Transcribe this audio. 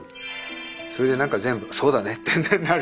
それでなんか全部そうだねってなる。